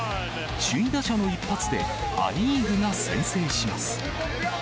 首位打者の一発で、ア・リーグが先制します。